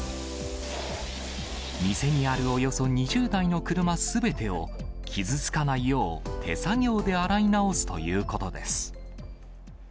店にあるおよそ２０台の車すべてを、傷つかないよう手作業で洗い直すということです。